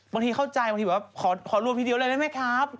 บางทีเข้าใจบางทีแบบขอรวมทีเดียวเลยได้ไหมครับ